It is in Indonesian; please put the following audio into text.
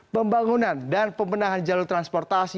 pembangunan dan pemenahan jalur transportasi